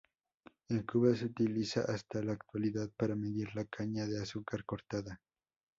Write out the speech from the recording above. En Cuba se utiliza hasta la actualidad para medir la caña de azúcar cortada.